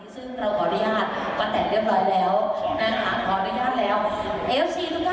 ซึ่งเราก็ขออนุญาตมาแต่เรียบร้อยแล้วนะคะขออนุญาตแล้ว